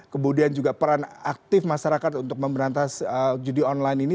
kemudian juga peran aktif masyarakat untuk memberantas judi online ini